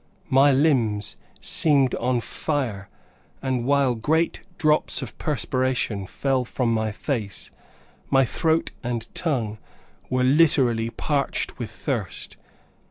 My limbs seemed on fire, and while great drops of perspiration fell from my face, my throat and tongue were literally parched with thirst.